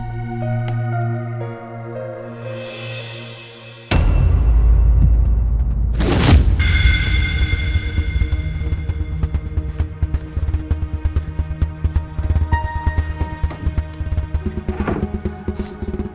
aku harus bantu dengan cara apa